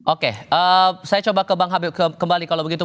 oke saya coba ke bang habib kembali kalau begitu